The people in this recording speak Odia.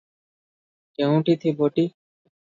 କେଉଁଠି ଥିବଟି!